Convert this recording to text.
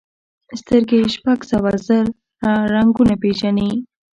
سترګې شپږ سوه زره رنګونه پېژني.